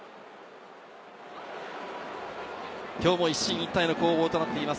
今日も一進一退の攻防となっています